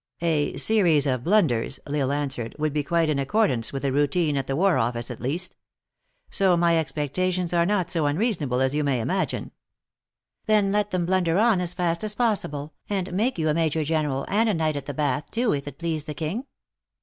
" A series of blunders," L Isle answered, "would be quite in accordance with the routine at the war office, at least. So my expectations are not so unrea sonable as you may imagine." " Then let them blunder on as fast as possible, and make you a major general, and a knight of the bath, too, if it please the king.